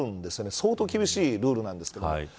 相当厳しいルールなんですけど。